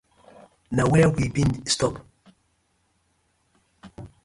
Na where we been stip?